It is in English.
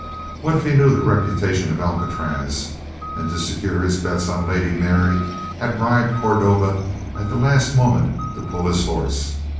What if he knew the reputation of Alcatraz and to secure his bets on Lady Mary, had bribed Cordova at the last moment to pull his horse.